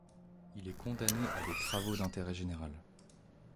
Il est condamné à des travaux d’intérêt général.